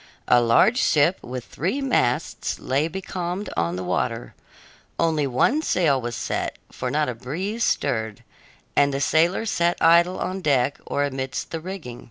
A large ship with three masts lay becalmed on the water; only one sail was set, for not a breeze stirred, and the sailors sat idle on deck or amidst the rigging.